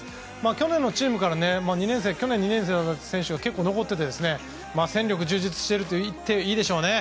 去年のチームから去年２年生だった選手が結構残っていて戦力が充実しているといっていいでしょう。